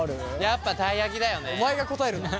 やっぱたい焼きだよね。